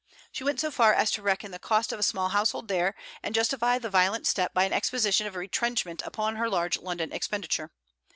She went so far as to reckon the cost of a small household there, and justify the violent step by an exposition of retrenchment upon her large London expenditure.